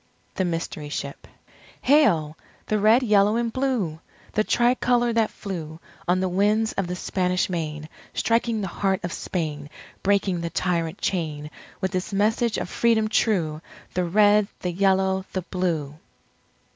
THE MYSTERY SHIP Hail! the Red, Yellow, and Blue! The Tri Colour that flew On the winds of the Spanish Main, Striking the heart of Spain, Breaking the Tyrant chain, With its message of Freedom true! The Red, the Yellow, the Blue!